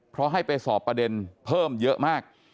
เพราะให้ไปสอบประเด็นเพิ่มเยอะมาก